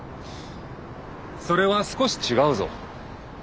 それは少し違うぞ。